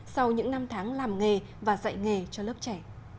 sau những năm tháng làm nghề và dạy nghề cho lớp trẻ